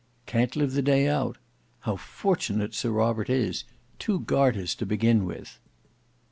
"Can't live the day out. How fortunate Sir Robert is! Two garters to begin with!"